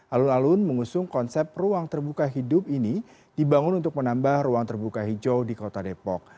alun alun mengusung konsep ruang terbuka hidup ini dibangun untuk menambah ruang terbuka hijau di kota depok